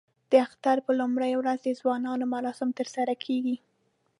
د اختر په لومړۍ ورځ د ځوانانو مراسم ترسره کېږي.